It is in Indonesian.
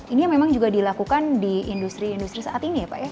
ini yang memang juga dilakukan di industri industri saat ini ya pak ya